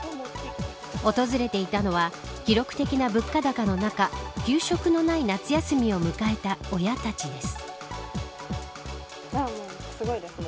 訪れていたのは記録的な物価高の中給食のない夏休みを迎えた親たちです。